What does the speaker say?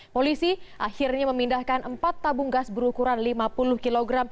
polisi akhirnya memindahkan empat tabung gas berukuran lima puluh kg